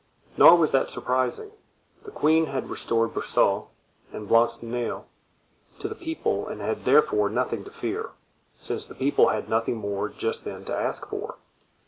Nor was that surprising. The queen had restored Broussel and Blancmesnil to the people and had therefore nothing to fear, since the people had nothing more just then to ask for.